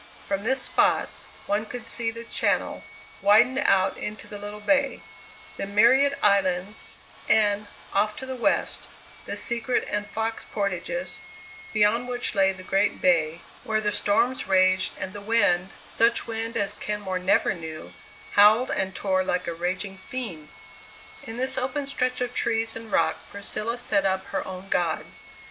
From this spot one could see the Channel widened out into the Little Bay: the myriad islands, and, off to the west, the Secret and Fox Portages, beyond which lay the Great Bay, where the storms raged and the wind such wind as Kenmore never knew howled and tore like a raging fiend! In this open stretch of trees and rock Priscilla set up her own god.